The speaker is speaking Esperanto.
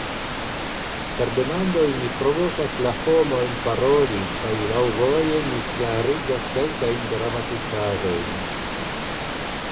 Per demandoj mi "provokas" la homojn paroli, kaj "laŭvoje" mi klarigas kelkajn gramatikaĵojn.